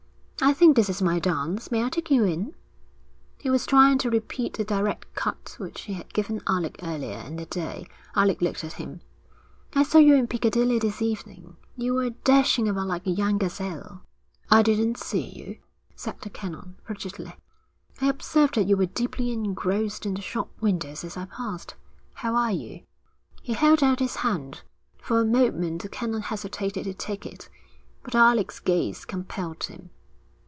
'I think this is my dance. May I take you in?' He was trying to repeat the direct cut which he had given Alec earlier in the day. Alec looked at him. 'I saw you in Piccadilly this evening. You were dashing about like a young gazelle.' 'I didn't see you,' said the Canon, frigidly. 'I observed that you were deeply engrossed in the shop windows as I passed. How are you?' He held out his hand. For a moment the Canon hesitated to take it, but Alec's gaze compelled him.